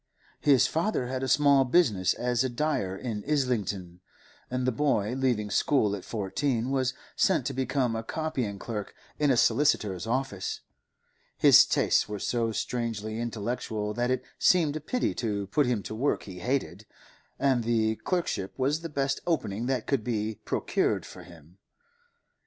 His father had a small business as a dyer in Islington, and the boy, leaving school at fourteen, was sent to become a copying clerk in a solicitor's office; his tastes were so strongly intellectual that it seemed a pity to put him to work he hated, and the clerkship was the best opening that could be procured for him.